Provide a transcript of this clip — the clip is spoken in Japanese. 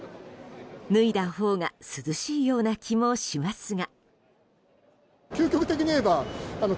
脱いだほうが涼しいような気もしますが。